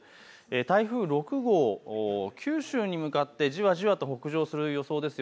台風６号、九州に向かってじわじわと北上する予想です。